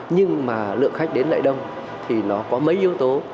nhưng mà lượng khách đến lại đông thì nó có mấy yếu tố